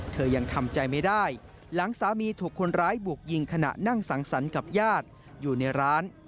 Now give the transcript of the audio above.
เธอยังทำใจไม่ได้หลังสามีถูกคนร้ายบุกยิงขณะนั่งสังสรรค์กับญาติอยู่ในร้าน